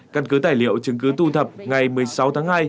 căn cứ tài liệu chứng cứ thu thập ngày một mươi sáu tháng hai